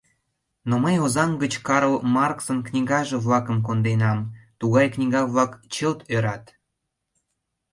Но мый Озаҥ гыч Карл Марксын книгаже-влакым конденам, тугай книга-влак, чылт ӧрат!